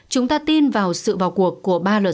chúng ta tin vào sự vào cuộc của ba luật